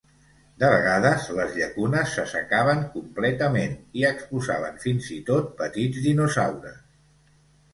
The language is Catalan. De vegades, les llacunes s'assecaven completament i exposaven fins i tot petits dinosaures.